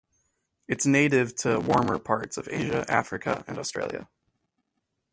It is native to warmer parts of Asia, Africa, and Australia.